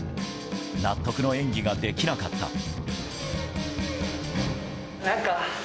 納得の演技ができなかった。